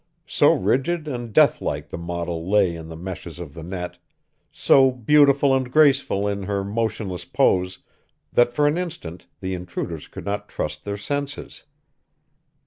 So rigid and deathlike the model lay in the meshes of the net, so beautiful and graceful in her motionless pose, that for an instant the intruders could not trust their senses.